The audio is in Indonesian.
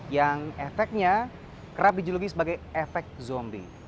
yang efeknya kerap dijuluki sebagai efek zombie